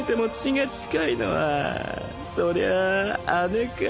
そりゃ姉か？